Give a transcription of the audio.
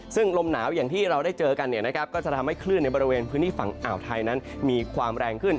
ซึ่งลมหนาวอย่างที่เราได้เจอกันก็จะทำให้คลื่นในบริเวณพื้นที่ฝั่งอ่าวไทยนั้นมีความแรงขึ้น